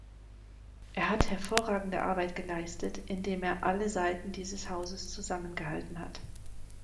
Er hat hervorragende Arbeit geleistet, indem er alle Seiten dieses Hauses zusammengehalten hat.